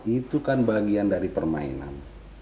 itu kan bagian dari permainan